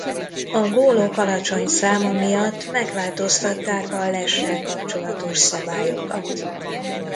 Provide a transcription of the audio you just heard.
A gólok alacsony száma miatt megváltoztatták a lessel kapcsolatos szabályokat.